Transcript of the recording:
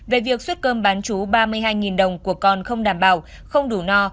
về việc xuất cơm bán chú ba mươi hai đồng của con không đảm bảo không đủ no